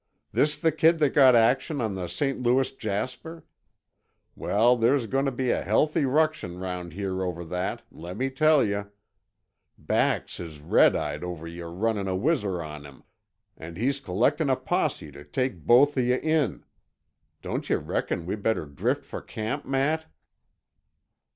"This the kid that got action on the St. Louis jasper? Well, there's goin' to be a healthy ruction round here over that, let me tell yuh. Bax is red eyed over yuh runnin' a whizzer on him, and he's collectin' a posse to take both of yuh in. Don't yuh reckon we better drift for camp, Matt?"